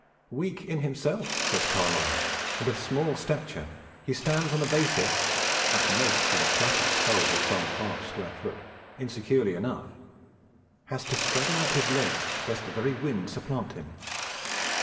"Weak in himself," says Carlyle, "and of small stature, he stands on a basis, at most for the flattest soled, of some half square foot, insecurely enough; has to straddle out his legs, Jest the very wind supplant him.